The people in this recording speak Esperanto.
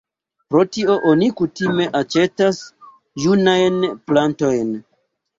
Pro tio oni kutime aĉetas junajn plantojn.